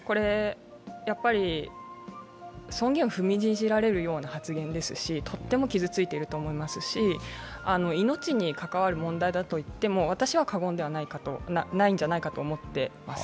尊厳を踏みにじられるような発言ですしとっても傷ついていると思いますし命に関わる問題だといっても私は過言ではないと思っています。